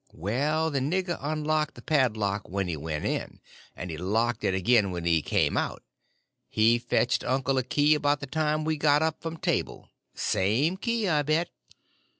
"Well, the nigger unlocked the padlock when he went in, and he locked it again when he came out. He fetched uncle a key about the time we got up from table—same key, I bet.